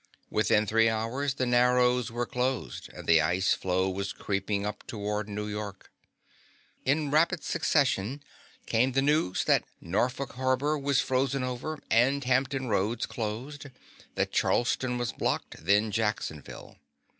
Within three hours the Narrows were closed, and the ice floe was creeping up toward New York. In rapid succession came the news that Norfolk harbor was frozen over and Hampton Roads closed, that Charleston was blocked, then Jacksonville.